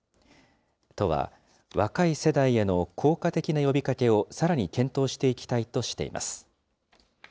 都は若い世代への効果的な呼びかけをさらに検討していきたいとしています。